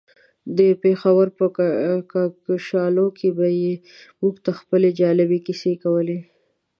د پېښور په کاکشالو کې به يې موږ ته خپلې جالبې کيسې کولې.